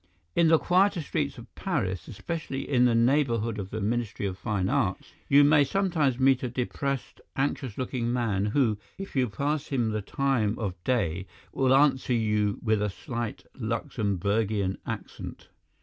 "In the quieter streets of Paris, especially in the neighbourhood of the Ministry of Fine Arts, you may sometimes meet a depressed, anxious looking man, who, if you pass him the time of day, will answer you with a slight Luxemburgian accent.